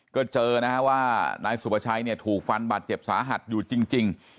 ก็เจอนะฮะว่านายสุภาชัยเนี่ยถูกฟันบาดเจ็บสาหัสอยู่จริง